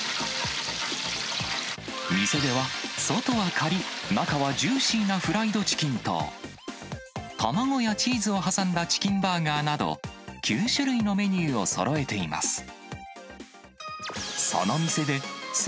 店では、外はかりっ、中はジューシーなフライドチキンと、卵やチーズを挟んだチキンバーガーなど、９種類のメニューをそろえています。